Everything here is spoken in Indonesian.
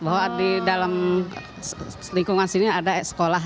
bahwa di dalam lingkungan sini ada sekolah